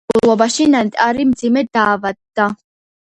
ღრმა მოხუცებულობაში ნეტარი მძიმედ დაავადდა.